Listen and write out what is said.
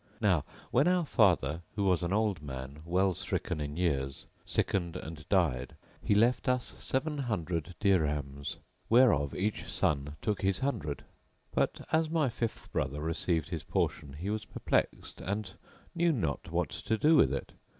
Now when our father, who was an old man well stricken in years sickened and died, he left us seven hundred dirhams whereof each son took his hundred; but, as my fifth brother received his portion, he was perplexed and knew not what to do with it.